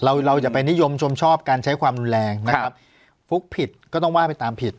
เราเราอย่าไปนิยมชมชอบการใช้ความรุนแรงนะครับฟุ๊กผิดก็ต้องว่าไปตามผิด